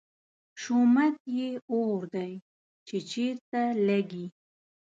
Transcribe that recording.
شومت یې اور دی، چې چېرته لګي